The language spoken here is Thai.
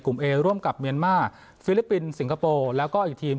เอร่วมกับเมียนมาร์ฟิลิปปินส์สิงคโปร์แล้วก็อีกทีม